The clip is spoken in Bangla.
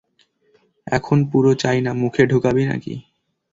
এখন পুরো চাইনা মুখে ঢুকাবি নাকি?